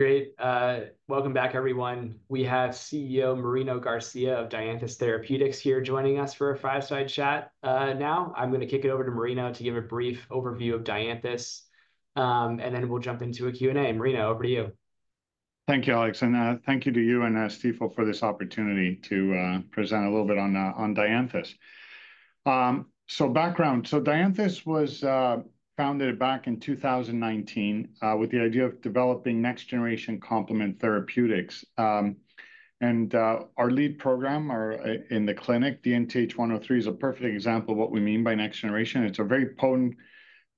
Great. Welcome back everyone. We have CEO Marino Garcia of Dianthus Therapeutics here joining us for a fireside chat. Now, I'm gonna kick it over to Marino to give a brief overview of Dianthus, and then we'll jump into a Q&A. Marino, over to you. Thank you, Alex, and thank you to you and Stifel for this opportunity to present a little bit on Dianthus, so background, Dianthus was founded back in two thousand and nineteen with the idea of developing next generation complement therapeutics, and our lead program in the clinic, DNTH103, is a perfect example of what we mean by next generation. It's a very potent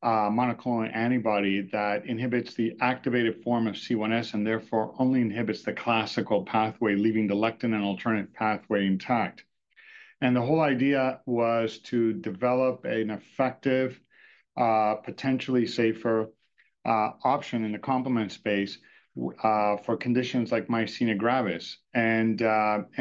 monoclonal antibody that inhibits the activated form of C1s, and therefore only inhibits the classical pathway, leaving the lectin and alternative pathway intact, and the whole idea was to develop an effective, potentially safer, option in the complement space for conditions like myasthenia gravis, and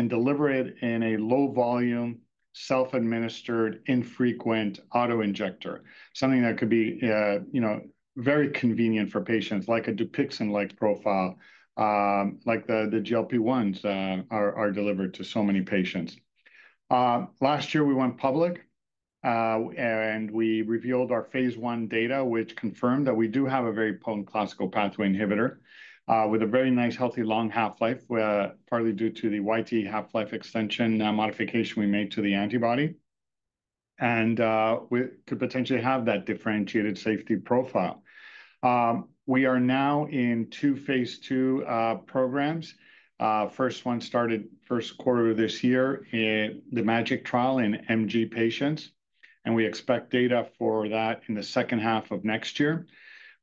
deliver it in a low volume, self-administered, infrequent auto-injector. Something that could be, you know, very convenient for patients, like a Dupixent-like profile, like the GLP-1s are delivered to so many patients. Last year we went public, and we revealed our phase one data, which confirmed that we do have a very potent classical pathway inhibitor, with a very nice, healthy, long half-life, partly due to the YTE half-life extension, modification we made to the antibody, and we could potentially have that differentiated safety profile. We are now in two phase two programs. First one started Q1 of this year in the MaGic trial in MG patients, and we expect data for that in the second half of next year.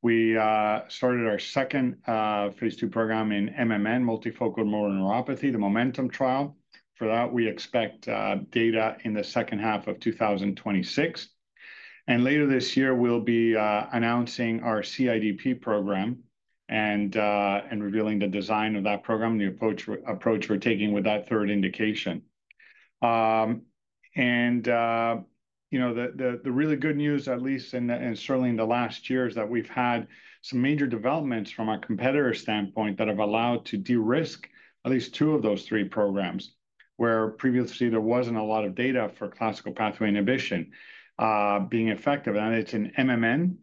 We started our second phase two program in MMN, multifocal motor neuropathy, the MoMentum trial. For that, we expect data in the second half of 2026. And later this year we'll be announcing our CIDP program and revealing the design of that program, the approach we're taking with that third indication. You know, the really good news, at least in the last year, is that we've had some major developments from a competitor standpoint that have allowed to de-risk at least two of those three programs, where previously there wasn't a lot of data for classical pathway inhibition being effective. And it's in MMN,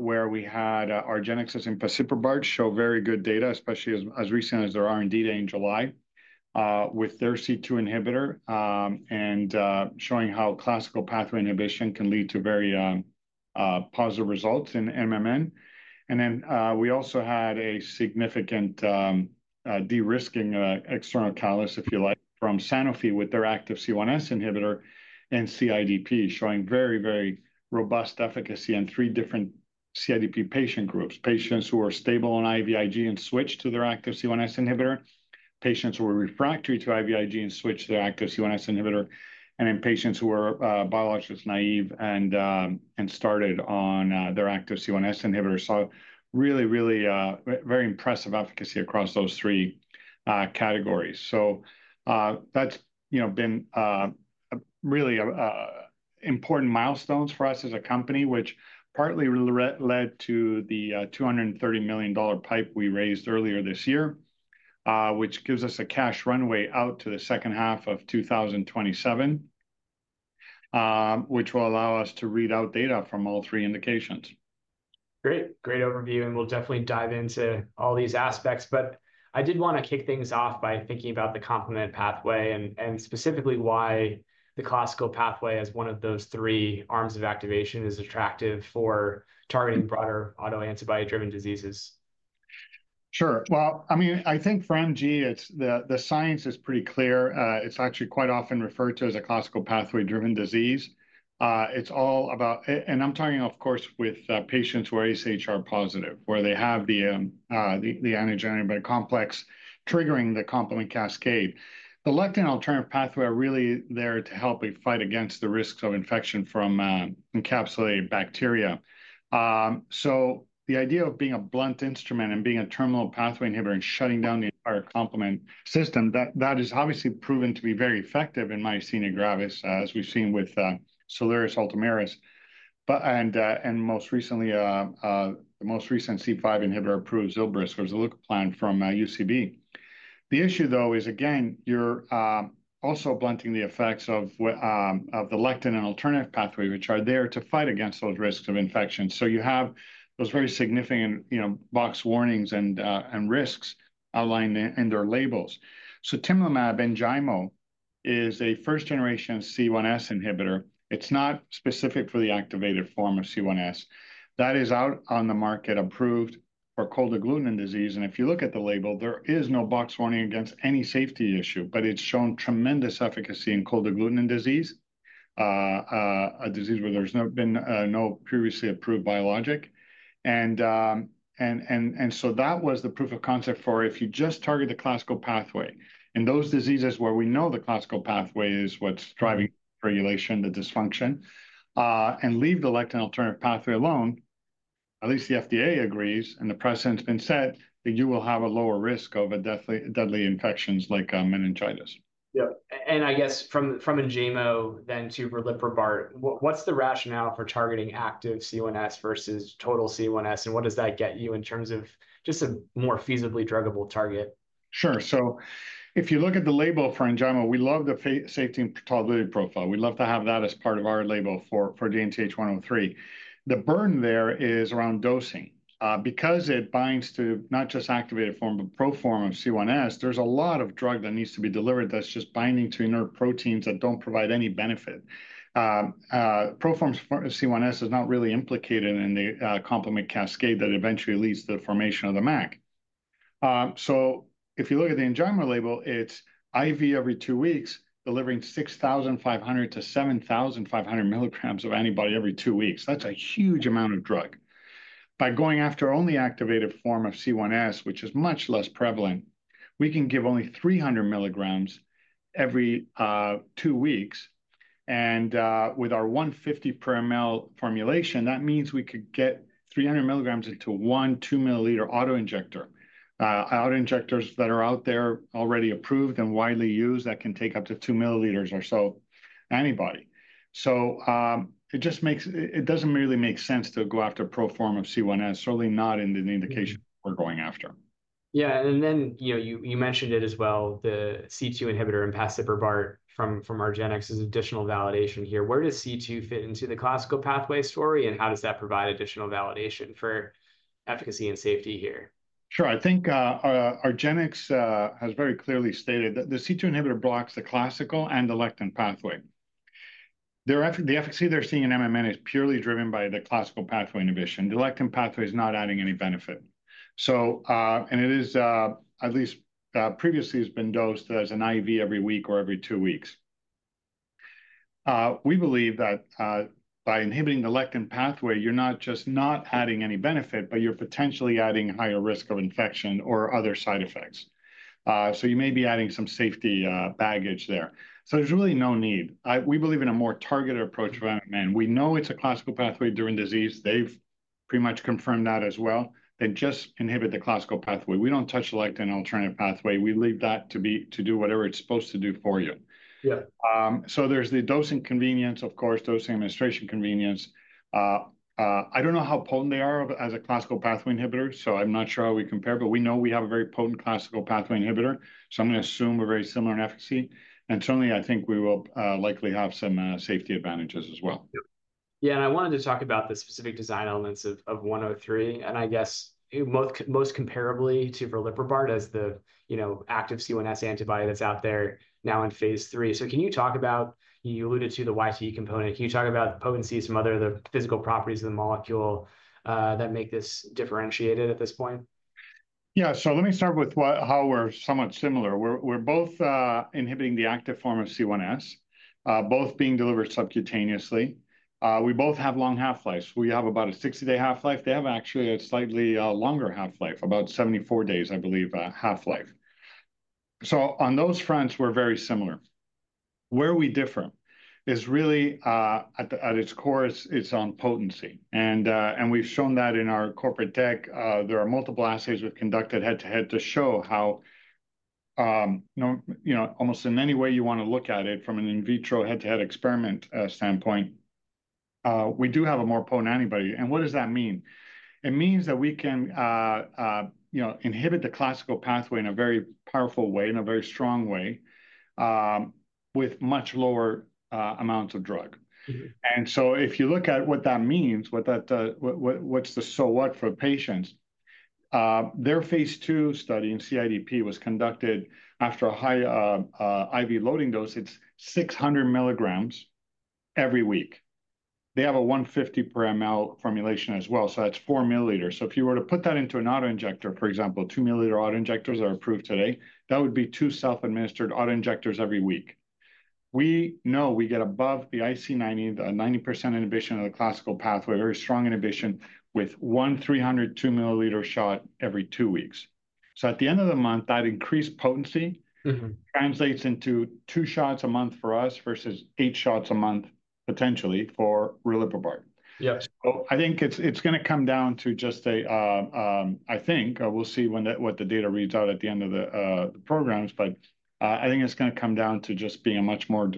where we had argenx and empasiprubart show very good data, especially as recent as their R&D day in July, with their C2 inhibitor, and showing how classical pathway inhibition can lead to very positive results in MMN. And then we also had a significant de-risking external catalyst, if you like, from Sanofi with their active C1s inhibitor in CIDP, showing very, very robust efficacy in three different CIDP patient groups. Patients who are stable on IVIG and switched to their active C1s inhibitor, patients who were refractory to IVIG and switched to their active C1s inhibitor, and in patients who were biologics naive and started on their active C1s inhibitor. So really, really very impressive efficacy across those three categories. That's, you know, been a really important milestones for us as a company, which partly led to the $230 million PIPE we raised earlier this year, which gives us a cash runway out to the second half of 2027, which will allow us to read out data from all three indications. Great. Great overview, and we'll definitely dive into all these aspects. But I did wanna kick things off by thinking about the complement pathway, and specifically why the classical pathway as one of those three arms of activation is attractive for targeting broader autoantibody-driven diseases. Sure. Well, I mean, I think for MG, it's the science is pretty clear. It's actually quite often referred to as a classical pathway-driven disease. It's all about and I'm talking of course, with patients who are AChR positive, where they have the antigen-antibody complex, triggering the complement cascade. The lectin and alternative pathways are really there to help it fight against the risks of infection from encapsulated bacteria. So the idea of being a blunt instrument and being a terminal pathway inhibitor and shutting down the entire complement system, that is obviously proven to be very effective in myasthenia gravis, as we've seen with Soliris, Ultomiris. But, and most recently, the most recent C5 inhibitor approved, Zilbrysk, or zilucoplan from UCB. The issue, though, is again, you're also blunting the effects of the lectin and alternative pathway, which are there to fight against those risks of infection. So you have those very significant, you know, box warnings and risks outlined in their labels. So Enjaymo is a first-generation C1s inhibitor. It's not specific for the activated form of C1s. That is out on the market, approved for cold agglutinin disease, and if you look at the label, there is no box warning against any safety issue, but it's shown tremendous efficacy in cold agglutinin disease, a disease where there's never been no previously approved biologic. That was the proof of concept for if you just target the classical pathway, in those diseases where we know the classical pathway is what's driving regulation, the dysfunction, and leave the lectin alternative pathway alone. At least the FDA agrees, and the precedent's been set, that you will have a lower risk of deadly infections like meningitis. Yeah, and I guess from Enjaymo then to riliprubart, what's the rationale for targeting active C1s versus total C1s, and what does that get you in terms of just a more feasibly druggable target? Sure. So if you look at the label for Enjaymo, we love the safety and tolerability profile. We love to have that as part of our label for DNTH103. The burden there is around dosing. Because it binds to not just activated form, but pro-form of C1s, there's a lot of drug that needs to be delivered that's just binding to inert proteins that don't provide any benefit. Proform of C1s is not really implicated in the complement cascade that eventually leads to the formation of the MAC. So if you look at the Enjaymo label, it's IV every two weeks, delivering 6,500-7,500 milligrams of antibody every two weeks. That's a huge amount of drug. By going after only activated form of C1s, which is much less prevalent, we can give only 300 milligrams every 2 weeks, and with our 150 per mL formulation, that means we could get 300 milligrams into one 2-mL auto-injector. Auto-injectors that are out there already approved and widely used, that can take up to 2 mL or so antibody. It doesn't really make sense to go after pro-form of C1s, certainly not in the indication we're going after. Yeah, and then, you know, you mentioned it as well, the C2 inhibitor empasiprubart from argenx is additional validation here. Where does C2 fit into the classical pathway story, and how does that provide additional validation for efficacy and safety here? Sure. I think, argenx has very clearly stated that the C2 inhibitor blocks the classical and the lectin pathway. Their efficacy they're seeing in MMN is purely driven by the classical pathway inhibition. The lectin pathway is not adding any benefit. So, and it is, at least, previously has been dosed as an IV every week or every two weeks. We believe that, by inhibiting the lectin pathway, you're not just not adding any benefit, but you're potentially adding higher risk of infection or other side effects. So you may be adding some safety, baggage there. So there's really no need. We believe in a more targeted approach for MMN. We know it's a classical pathway-driven disease. They've pretty much confirmed that as well, and just inhibit the classical pathway. We don't touch the lectin alternative pathway. We leave that to be, to do whatever it's supposed to do for you. So there's the dosing convenience, of course, dosing administration convenience. I don't know how potent they are as a classical pathway inhibitor, so I'm not sure how we compare, but we know we have a very potent classical pathway inhibitor, so I'm gonna assume a very similar efficacy, and certainly, I think we will likely have some safety advantages as well. Yeah, and I wanted to talk about the specific design elements of 103, and I guess most comparably to riliprubart as the, you know, active C1s antibody that's out there now in phase three. So can you talk about... You alluded to the YTE component. Can you talk about the potency and some other, the physical properties of the molecule, that make this differentiated at this point? Yeah, so let me start with what, how we're somewhat similar. We're both inhibiting the active form of C1s, both being delivered subcutaneously. We both have long half-lives. We have about a sixty-day half-life. They have actually a slightly longer half-life, about seventy-four days, I believe, half-life. So on those fronts, we're very similar. Where are we different? Is really at its core, it's on potency, and we've shown that in our corporate deck. There are multiple assays we've conducted head-to-head to show how, you know, almost in any way you want to look at it, from an in vitro head-to-head experiment standpoint, we do have a more potent antibody. And what does that mean? It means that we can, you know, inhibit the classical pathway in a very powerful way, in a very strong way, with much lower amounts of drug. And so if you look at what that means, what's the so what for patients? Their phase 2 study in CIDP was conducted after a high IV loading dose. It's 600 milligrams every week. They have a 150 mg/mL formulation as well, so that's 4 milliliters. So if you were to put that into an auto-injector, for example, 2-milliliter auto-injectors are approved today, that would be 2 self-administered auto-injectors every week. We know we get above the IC90, the 90% inhibition of the classical pathway, very strong inhibition, with one 300 2-milliliter shot every 2 weeks. So at the end of the month, that increased potency translates into two shots a month for us versus eight shots a month, potentially, for riliprubart. So I think it's gonna come down to just a. I think we'll see what the data reads out at the end of the programs, but I think it's gonna come down to just being a much more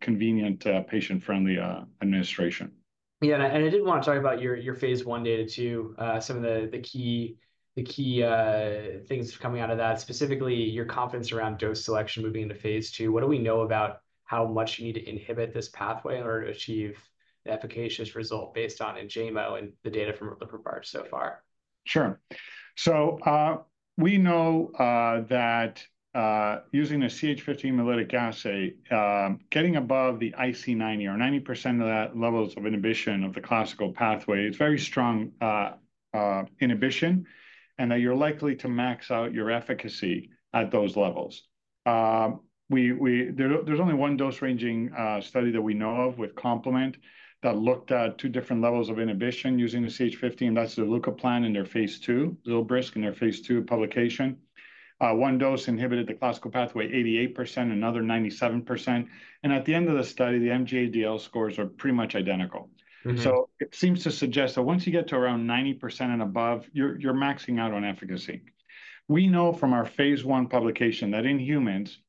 convenient, patient-friendly administration. Yeah, and I did want to talk about your phase one data, too. Some of the key things coming out of that, specifically your confidence around dose selection moving into phase two. What do we know about how much you need to inhibit this pathway in order to achieve the efficacious result based on Enjaymo and the data from riliprubart so far? Sure. So, we know that using a CH50 hemolytic assay, getting above the IC90 or 90% of that levels of inhibition of the classical pathway, it's very strong inhibition, and that you're likely to max out your efficacy at those levels. We, there, there's only one dose-ranging study that we know of with complement, that looked at two different levels of inhibition using the CH50, and that's the zilucoplan in their phase 2, Zilbrysk in their phase 2 publication. One dose inhibited the classical pathway 88%, another 97%, and at the end of the study, the MG-ADL scores are pretty much identical. It seems to suggest that once you get to around 90% and above, you're maxing out on efficacy. We know from our phase one publication that in humans,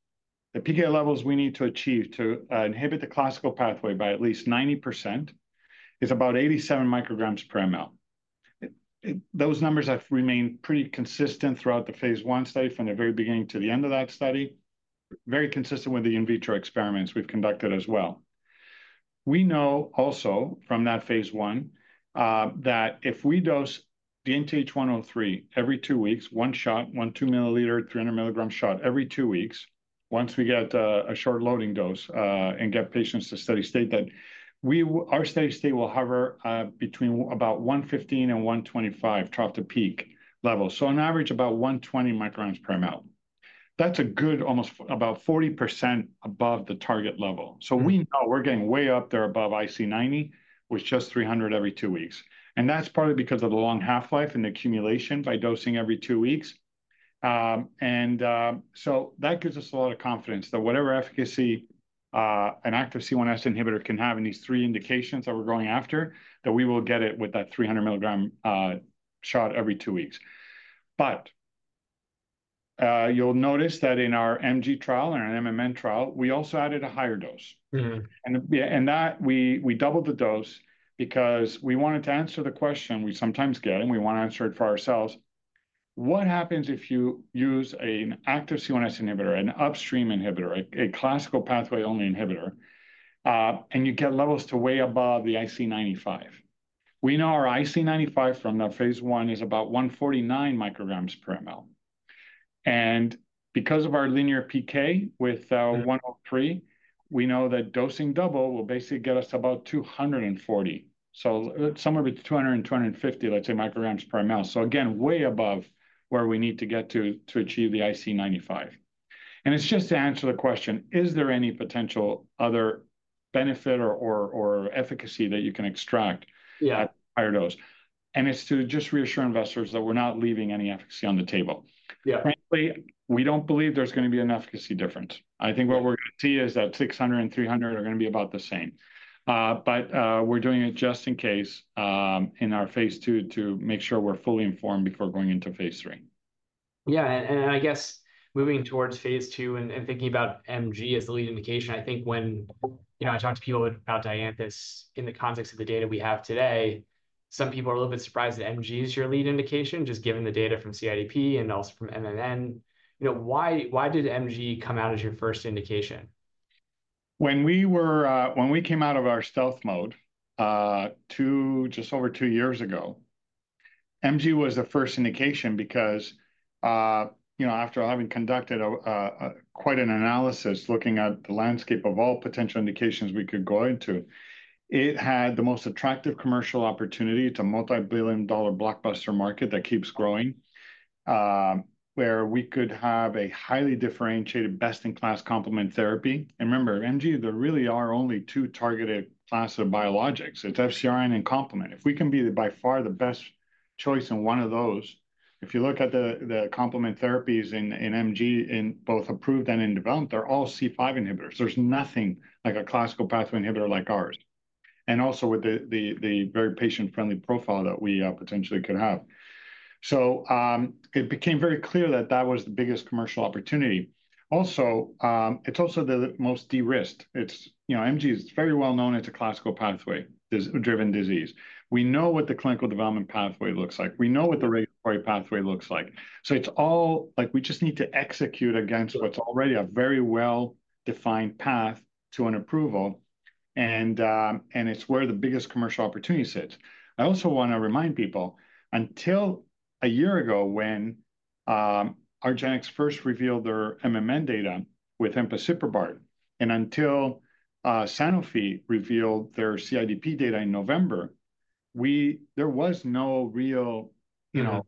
the PK levels we need to achieve to inhibit the classical pathway by at least 90% is about 87 micrograms per mL. Those numbers have remained pretty consistent throughout the phase one study, from the very beginning to the end of that study. Very consistent with the in vitro experiments we've conducted as well. We know also from that phase one that if we dose DNTH103 every two weeks, one shot, one 2-milliliter, 300-milligram shot every two weeks, once we get a short loading dose and get patients to steady state, that our steady state will hover between about 115 and 125 trough-to-peak level. So on average, about 120 micrograms per ml. That's a good, almost about 40% above the target level. So we know we're getting way up there above IC90, with just 300 every two weeks, and that's partly because of the long half-life and accumulation by dosing every two weeks. So that gives us a lot of confidence that whatever efficacy an active C1s inhibitor can have in these three indications that we're going after, that we will get it with that 300 milligram shot every two weeks. But you'll notice that in our MG trial and our MMN trial, we also added a higher dose. And that we doubled the dose because we wanted to answer the question we sometimes get, and we want to answer it for ourselves: What happens if you use an active C1s inhibitor, an upstream inhibitor, a classical pathway-only inhibitor, and you get levels to way above the IC95? We know our IC95 from the phase 1 is about 149 micrograms per mL, and because of our linear PK with 103, we know that dosing double will basically get us to about 240. So somewhere between 200 and 250, let's say, micrograms per mL. So again, way above where we need to get to to achieve the IC95. And it's just to answer the question, is there any potential other benefit or efficacy that you can extract at higher dose, and it's to just reassure investors that we're not leaving any efficacy on the table. Yeah. Frankly, we don't believe there's gonna be an efficacy difference. I think what we're gonna see is that 600 and 300 are gonna be about the same. But we're doing it just in case, in our phase 2, to make sure we're fully informed before going into phase 3. Yeah, and I guess moving towards phase two and thinking about MG as the lead indication, I think when, you know, I talk to people about Dianthus in the context of the data we have today, some people are a little bit surprised that MG is your lead indication, just given the data from CIDP and also from MMN. You know, why, why did MG come out as your first indication? When we came out of our stealth mode just over two years ago, MG was the first indication because you know, after having conducted quite an analysis, looking at the landscape of all potential indications we could go into, it had the most attractive commercial opportunity. It's a multi-billion dollar blockbuster market that keeps growing where we could have a highly differentiated, best-in-class complement therapy. Remember, MG, there really are only two targeted class of biologics. It's FcRn and complement. If we can be by far the best choice in one of those, if you look at the complement therapies in MG, in both approved and in development, they're all C5 inhibitors. There's nothing like a classical pathway inhibitor like ours, and also with the very patient-friendly profile that we potentially could have. So, it became very clear that that was the biggest commercial opportunity. Also, it's also the most de-risked. It's, you know, MG is very well known as a classical pathway disease-driven disease. We know what the clinical development pathway looks like. We know what the regulatory pathway looks like. So it's all. Like, we just need to execute against what's already a very well-defined path to an approval, and it's where the biggest commercial opportunity sits. I also want to remind people, until a year ago, when argenx first revealed their MMN data with empasiprubart, and until Sanofi revealed their CIDP data in November, there was no real, you know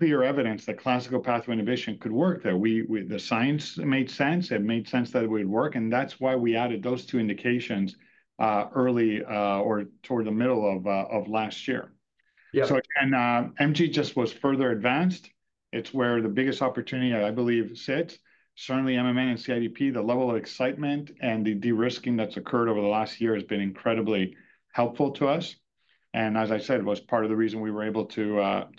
clear evidence that classical pathway inhibition could work, that the science made sense. It made sense that it would work, and that's why we added those two indications, early, or toward the middle of last year. Yeah. MG just was further advanced. It's where the biggest opportunity, I believe, sits. Certainly, MMN and CIDP, the level of excitement and the de-risking that's occurred over the last year has been incredibly helpful to us, and as I said, it was part of the reason we were able to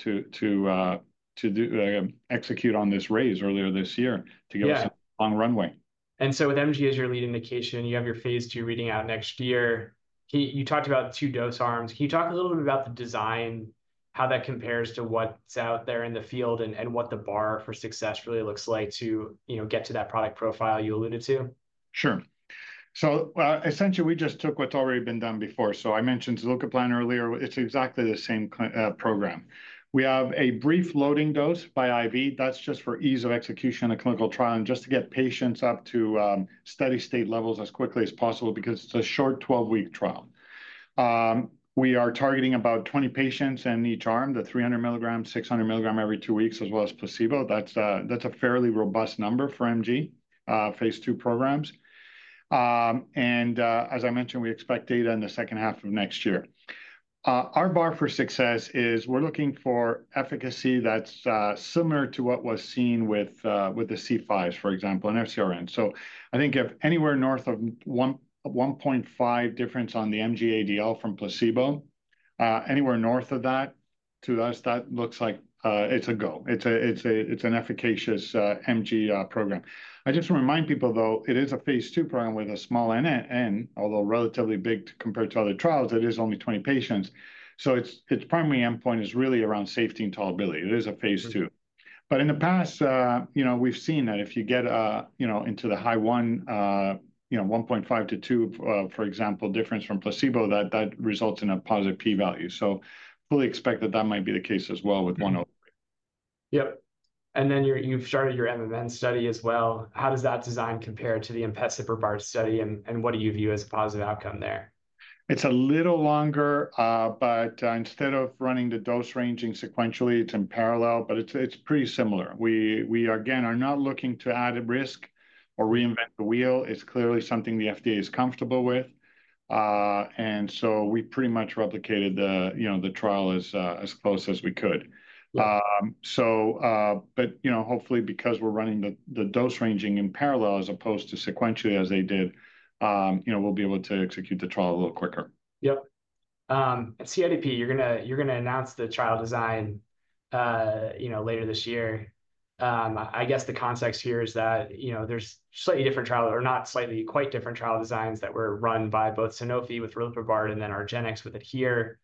execute on this raise earlier this year to give us a long runway. With MG as your lead indication, you have your phase 2 reading out next year. Can you- you talked about two dose arms. Can you talk a little bit about the design, how that compares to what's out there in the field, and what the bar for success really looks like to, you know, get to that product profile you alluded to? Sure. So, essentially, we just took what's already been done before. So I mentioned zilucoplan earlier. It's exactly the same program. We have a brief loading dose by IV. That's just for ease of execution of clinical trial and just to get patients up to steady state levels as quickly as possible, because it's a short 12-week trial. We are targeting about 20 patients in each arm, the 300 mg, 600 mg every two weeks, as well as placebo. That's a fairly robust number for MG, phase 2 programs. And, as I mentioned, we expect data in the second half of next year. Our bar for success is we're looking for efficacy that's similar to what was seen with the C5s, for example, and FcRn. So I think if anywhere north of 1.5 difference on the MG-ADL from placebo, anywhere north of that to us, that looks like it's a go. It's an efficacious MG program. I just wanna remind people, though, it is a phase 2 program with a small n. Although relatively big compared to other trials, it is only 20 patients, so its primary endpoint is really around safety and tolerability. It is a phase 2. But in the past, you know, we've seen that if you get you know, into the high 1, you know, 1.5-2, for example, difference from placebo, that results in a positive P value. So fully expect that that might be the case as well with 103. Yep, and then you've started your MMN study as well. How does that design compare to the empasiprubart study, and, and what do you view as a positive outcome there? It's a little longer, but instead of running the dose ranging sequentially, it's in parallel, but it's pretty similar. We, again, are not looking to add risk or reinvent the wheel. It's clearly something the FDA is comfortable with. And so we pretty much replicated the, you know, the trial as close as we could. Yeah. So, but, you know, hopefully because we're running the dose ranging in parallel as opposed to sequentially as they did, you know, we'll be able to execute the trial a little quicker. Yep. CIDP, you're gonna announce the trial design, you know, later this year. I guess the context here is that, you know, there's slightly different trial- or not slightly, quite different trial designs that were run by both Sanofi with riliprubart and then argenx with ADHERE.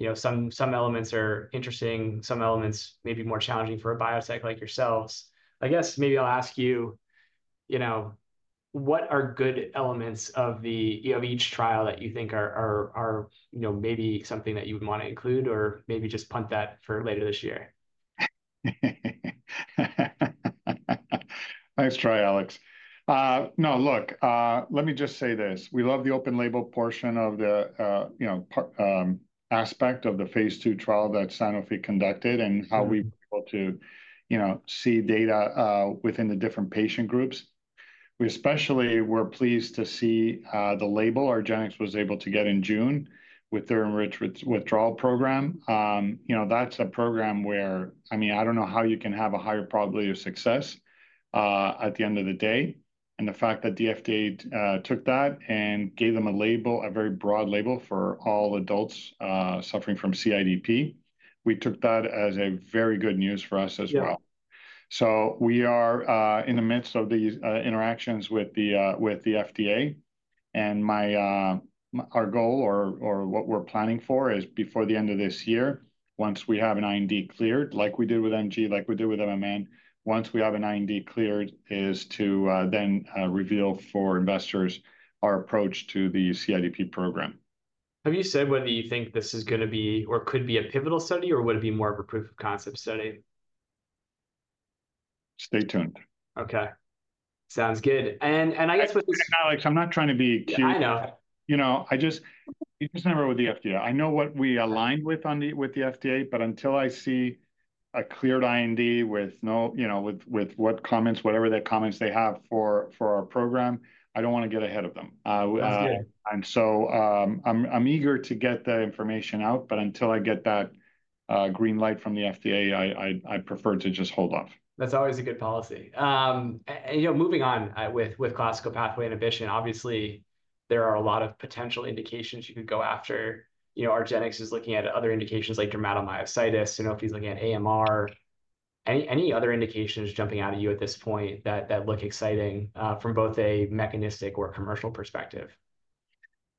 You know, some elements are interesting, some elements may be more challenging for a biotech like yourselves. I guess maybe I'll ask you, you know, what are good elements of the, of each trial that you think are, you know, maybe something that you would wanna include, or maybe just punt that for later this year? Nice try, Alex. No, look, let me just say this: we love the open label portion of the, you know, part, aspect of the phase two trial that Sanofi conducted and how we're able to, you know, see data within the different patient groups. We especially were pleased to see the label argenx was able to get in June with their enriched withdrawal program. You know, that's a program where, I mean, I don't know how you can have a higher probability of success at the end of the day. And the fact that the FDA took that and gave them a label, a very broad label, for all adults suffering from CIDP, we took that as a very good news for us as well. Yeah. We are in the midst of these interactions with the FDA, and our goal or what we're planning for is before the end of this year, once we have an IND cleared, like we did with MG, like we did with MMN. Once we have an IND cleared, is to then reveal for investors our approach to the CIDP program. Have you said whether you think this is gonna be or could be a pivotal study, or would it be more of a proof of concept study? Stay tuned. Okay, sounds good. And I guess what. Alex, I'm not trying to be cute. I know. You know, you just remember with the FDA. I know what we aligned with with the FDA, but until I see a cleared IND with no, you know, with what comments, whatever the comments they have for our program, I don't wanna get ahead of them. That's good. I'm eager to get the information out, but until I get that green light from the FDA, I prefer to just hold off. That's always a good policy, and you know, moving on with classical pathway inhibition, obviously there are a lot of potential indications you could go after. You know, argenx is looking at other indications like dermatomyositis, you know, Hansa's looking at AMR. Any other indications jumping out at you at this point that look exciting from both a mechanistic or commercial perspective?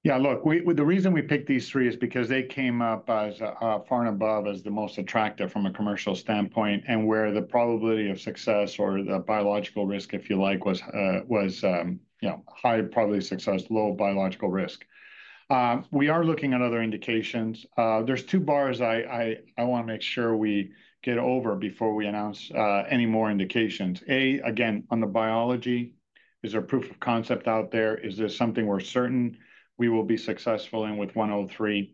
Yeah, look, the reason we picked these three is because they came up as far and above as the most attractive from a commercial standpoint, and where the probability of success or the biological risk, if you like, was, you know, high probability of success, low biological risk. We are looking at other indications. There's two bars I wanna make sure we get over before we announce any more indications. A, again, on the biology, is there a proof of concept out there? Is there something we're certain we will be successful in with 103?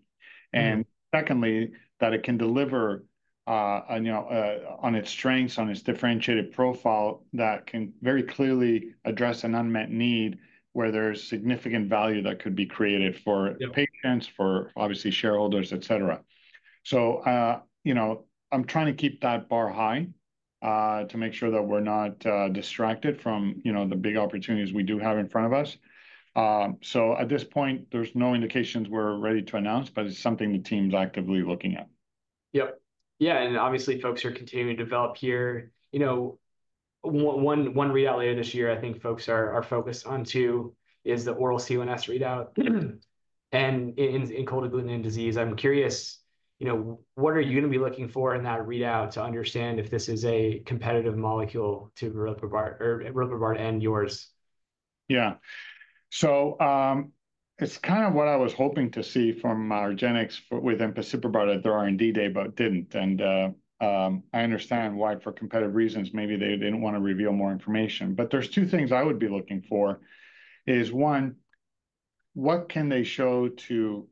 And secondly, that it can deliver, you know, on its strengths, on its differentiated profile, that can very clearly address an unmet need, where there's significant value that could be created for patients, for obviously shareholders, et cetera. So, you know, I'm trying to keep that bar high, to make sure that we're not, distracted from, you know, the big opportunities we do have in front of us. So at this point, there's no indications we're ready to announce, but it's something the team's actively looking at. Yep. Yeah, and obviously, folks are continuing to develop here. You know, one reality this year I think folks are focused on too is the oral C1s readout in cold agglutinin disease. I'm curious, you know, what are you gonna be looking for in that readout to understand if this is a competitive molecule to riliprubart or riliprubart and yours? Yeah. So, it's kind of what I was hoping to see from argenx with empasiprubart at their R&D day, but didn't. And I understand why, for competitive reasons, maybe they didn't wanna reveal more information. But there's two things I would be looking for, is, one, what can they show to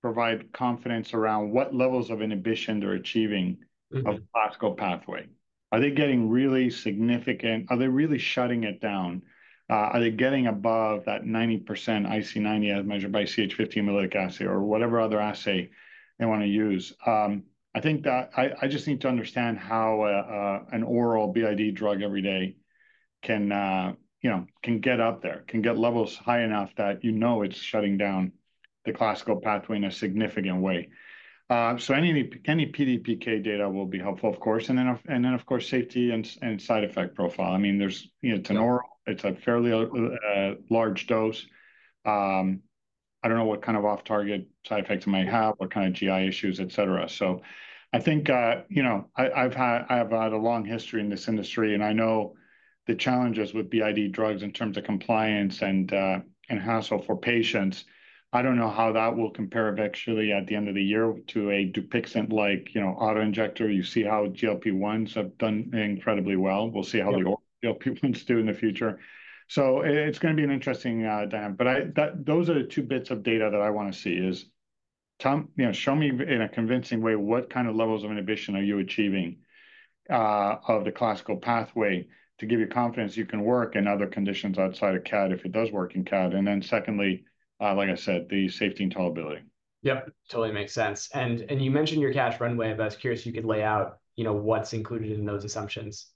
provide confidence around what levels of inhibition they're achieving of classical pathway? Are they getting really significant? Are they really shutting it down? Are they getting above that 90% IC90, as measured by CH50 hemolytic assay or whatever other assay they wanna use? I think that I just need to understand how a an oral BID drug every day can, you know, can get up there, can get levels high enough that you know it's shutting down the classical pathway in a significant way. So any PD/PK data will be helpful, of course, and then, of course, safety and side effect profile. I mean, there's, you know, an oral, it's a fairly large dose. I don't know what kind of off-target side effects it might have, what kind of GI issues, et cetera. I think, you know, I've had a long history in this industry, and I know the challenges with BID drugs in terms of compliance and hassle for patients. I don't know how that will compare eventually at the end of the year to a Dupixent-like, you know, auto-injector. You see how GLP-1s have done incredibly well. We'll see how the GLP-1s do in the future. So it's gonna be an interesting time. But those are the two bits of data that I wanna see is, tell me. You know, show me in a convincing way what kind of levels of inhibition are you achieving of the classical pathway, to give you confidence you can work in other conditions outside of CAD, if it does work in CAD. And then secondly, like I said, the safety and tolerability. Yep, totally makes sense. And, you mentioned your cash runway, I'm just curious if you could lay out, you know, what's included in those assumptions?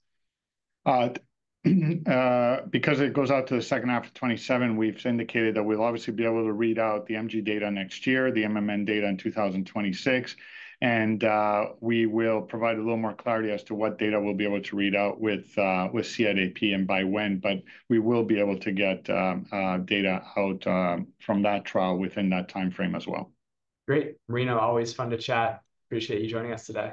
Because it goes out to the second half of 2027, we've indicated that we'll obviously be able to read out the MG data next year, the MMN data in 2026, and we will provide a little more clarity as to what data we'll be able to read out with CIDP, and by when, but we will be able to get data out from that trial within that timeframe as well. Great. Marino, always fun to chat. Appreciate you joining us today.